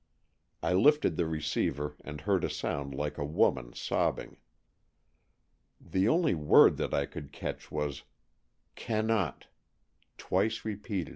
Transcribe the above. I lifted the receiver and heard a sound like a woman sobbing. The only word that I could catch was " Cannot " twice repeated.